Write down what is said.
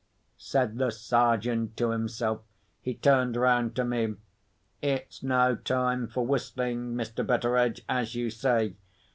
said the Sergeant to himself. He turned round to me. "It's no time for whistling, Mr. Betteredge, as you say.